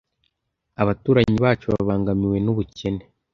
Abaturanyi bacu babangamiwe n'ubukene.